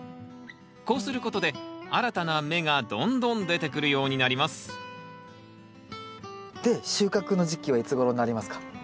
こうすることで新たな芽がどんどん出てくるようになりますで収穫の時期はいつごろになりますか？